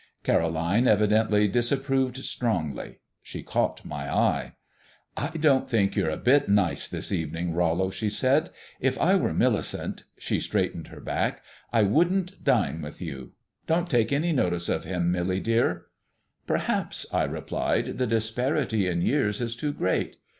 Caroline evidently disapproved strongly. She caught my eye. "I don't think you're a bit nice this evening, Rollo," she said. "If I were Millicent" she straightened her back "I wouldn't dine with you. Don't take any notice of him, Millie dear." "Perhaps," I replied, "the disparity in years is too great.